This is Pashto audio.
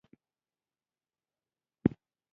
له کتاب چاپ وروسته مې ورسره نږدې خړه کړې وه.